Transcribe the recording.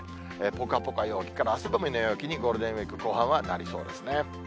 ぽかぽか陽気から、汗ばむ陽気にゴールデンウィーク後半はなりそうですね。